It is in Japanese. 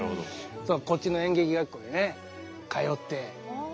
こっちの演劇学校へ通って。